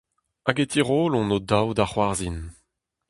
Hag e tirollont o-daou da c'hoarzhin.